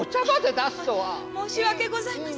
申し訳ございません。